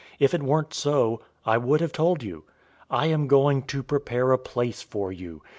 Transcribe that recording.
If it weren't so, I would have told you. I am going to prepare a place for you.